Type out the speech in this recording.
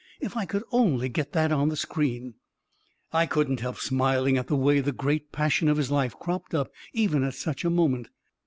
" If I could only get that on the screen I " I couldn't help smiling at the way the great pas sion of his life cropped up, even at such a moment